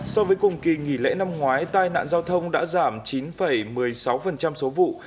so với cùng kỳ nghỉ lễ năm ngoái tai nạn giao thông đã giảm chín một mươi sáu số vụ